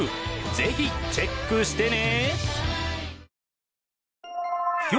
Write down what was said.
ぜひチェックしてね。